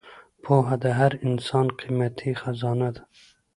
پوهه د هر انسان قیمتي خزانه ده.